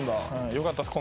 よかったっす。